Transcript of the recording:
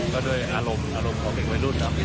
ก็ด้วยอารมณ์อารมณ์ของเด็กวัยรุ่นครับ